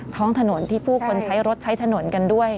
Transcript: ท้องถนนที่ผู้คนใช้รถใช้ถนนกันด้วย